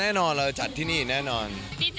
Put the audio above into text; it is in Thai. แน่นอนครับแน่นอนเราจะจัดที่นี่อีกแน่นอน